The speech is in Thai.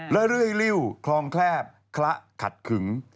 ระเลื่อยริ่วครองแคลบขละขัดขึง